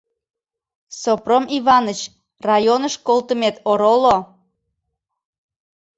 Сопром Иваныч, районыш колтымет ороло.